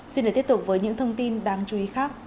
xin để tiếp tục với những thông tin đáng chú ý khác